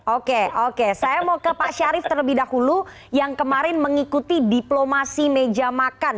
oke oke saya mau ke pak syarif terlebih dahulu yang kemarin mengikuti diplomasi meja makan